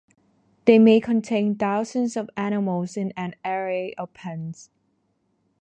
They may contain thousands of animals in an array of pens.